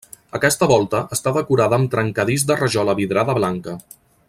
Aquesta volta està decorada amb trencadís de rajola vidrada blanca.